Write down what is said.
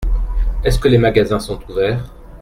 Est-ce que les magasins sont ouverts ?